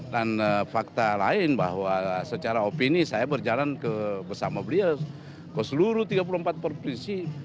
dan fakta lain bahwa secara opini saya berjalan bersama beliau ke seluruh tiga puluh empat provinsi